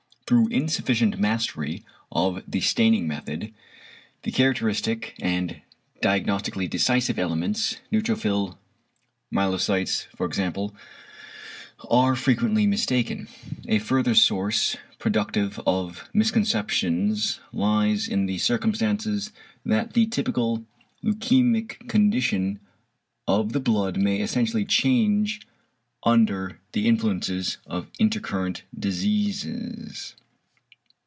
Through insufficient mastery of the staining method, the characteristic and diagnostically decisive elements (neutrophil myelocytes for example) are frequently mistaken. A further source productive of misconceptions lies in the circumstance that the typical leukæmic condition of the blood may essentially change under the influences of intercurrent diseases.